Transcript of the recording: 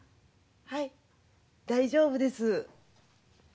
はい大丈夫です。